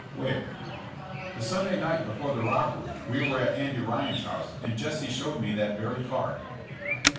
''Where?" The Sunday night before the robbery we were at Andy Ryan's house and Jesse showed me that very card.'